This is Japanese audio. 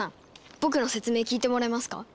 僕の説明聞いてもらえますか？